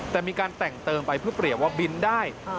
แต่มีการแต่งเติมไปเพื่อเปรียบว่าบินได้